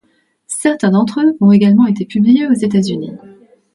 Certains d'entre eux ont également été publiés aux États-unis.